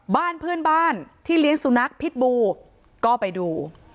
บ้านเพื่อนบ้านที่เลี้ยงสุนัขพิษบูก็ไปดู